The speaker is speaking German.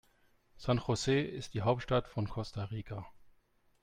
San José ist die Hauptstadt von Costa Rica.